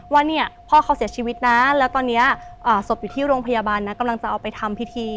ว่าเนี่ยพ่อเขาเสียชีวิตนะแล้วตอนนี้ศพอยู่ที่โรงพยาบาลนะกำลังจะเอาไปทำพิธี